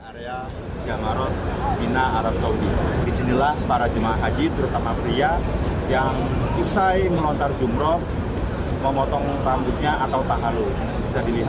kementerian memfasilitasi para jemaah agar bisa mengenali tempat potong rambut ini